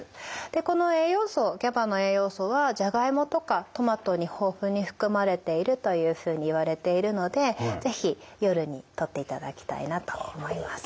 でこの栄養素ＧＡＢＡの栄養素はジャガイモとかトマトに豊富に含まれているというふうにいわれているので是非夜にとっていただきたいなと思います。